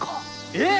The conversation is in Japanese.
えっ！？